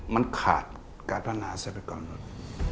มันขาดการตาหนาทรัพยากรธรรมนุษย์